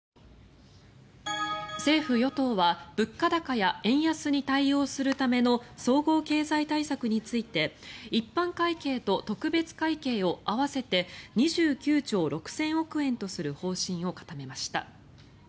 政府・与党は物価高や円安に対応するための総合経済対策について一般会計と特別会計を合わせて２９兆６０００億円とする方針を固めました。